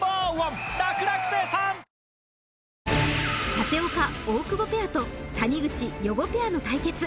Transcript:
舘岡・大久保ペアと谷口・余語ペアの対決